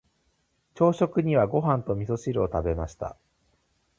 朝食にはご飯と味噌汁を食べました。